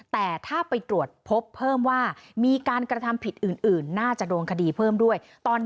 แต่ถ้าไปตรวจพบเพิ่มว่ามีการกระทำผิดอื่นน่าจะโดนคดีเพิ่มด้วย